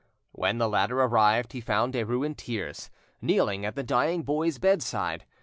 When the latter arrived he found Derues in tears, kneeling at the dying boy's bedside.